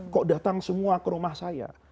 kok datang semua ke rumah saya